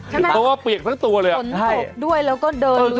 เพราะว่าเปียกทั้งตัวเลยอ่ะฝนตกด้วยแล้วก็เดินด้วยน้ำป่วย